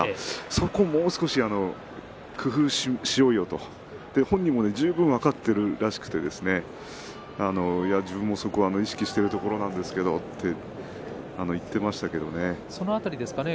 そこをもう少し工夫しようよと本人も十分に分かっているらしくて自分もそこは意識しているところなんですけれどその辺りですかね